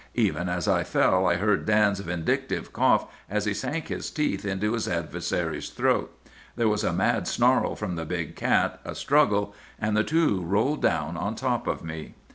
Even as I fell I heard Dan's vindictive cough as he sank his teeth into his adversary's throat. There was a mad snarl from the big cat, a struggle—and the two rolled down on top of me.